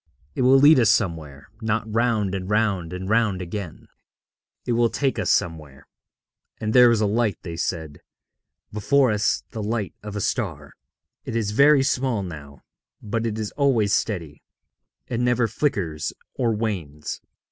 It will lead us somewhere, not round and round and round again it will take us somewhere. And there is a light,' they said, 'before us, the light of a star. It is very small now, but it is always steady; it never flickers or wanes.